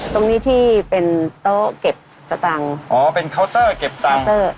ตรงนี้ที่เป็นโต๊ะเก็บสตางค์อ๋อเป็นเคาน์เตอร์เก็บตังค์เตอร์